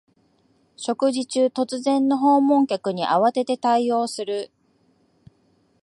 食事中、突然の訪問客に慌てて対応する